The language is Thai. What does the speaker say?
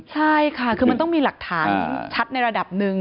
ใช่ค่ะคือมันต้องมีหลักฐานชัดในระดับหนึ่ง